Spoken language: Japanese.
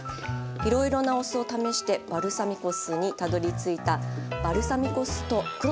いろいろなお酢を試してバルサミコ酢にたどりついたバルサミコ酢と黒砂糖ですね